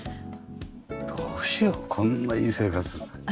どうしようこんないい生活。